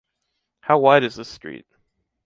How wide is this street?